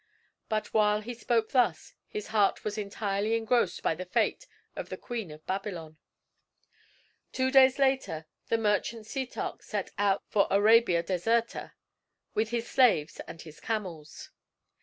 But while he spoke thus, his heart was entirely engrossed by the fate of the Queen of Babylon. Two days after, the merchant Setoc set out for Arabia Deserta, with his slaves and his camels.